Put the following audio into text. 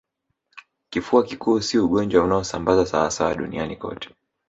Kifua kikuu si ugonjwa unaosambazwa sawasawa duniani kote